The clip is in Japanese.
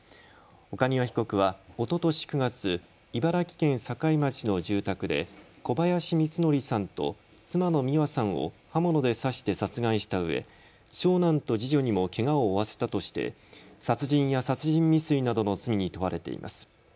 岡庭被告は、おととし９月、茨城県境町の住宅で小林光則さんと妻の美和さんを刃物で刺して殺害したうえ長男と次女にもけがを負わせたとして殺人や殺人未遂などの罪に問われています。